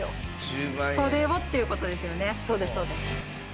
そうですそうです。